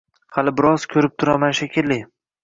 Hali biroz ko‘rib turaman shekilli